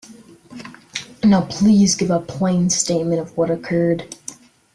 Now please give a plain statement of what occurred.